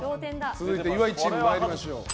続いて岩井チーム参りましょう。